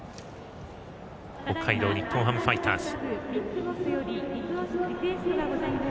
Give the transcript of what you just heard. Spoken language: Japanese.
北海道日本ハムファイターズ。